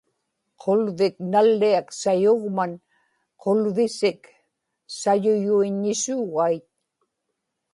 qulvik nalliak sayugman, qulvisik sayuyuiññisuugait